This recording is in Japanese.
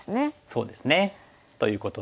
そうですね。ということで。